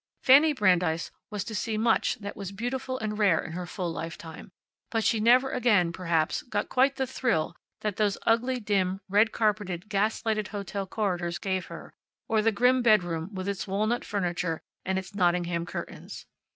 Fanny Brandeis was to see much that was beautiful and rare in her full lifetime, but she never again, perhaps, got quite the thrill that those ugly, dim, red carpeted, gas lighted hotel corridors gave her, or the grim bedroom, with its walnut furniture and its Nottingham curtains.